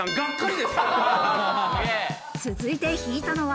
続いて引いたのは。